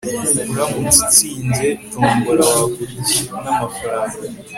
uramutse utsinze tombora, wagura iki namafaranga